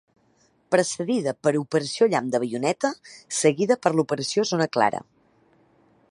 Precedida per Operació Llamp de baioneta, seguida per l'Operació Zona clara.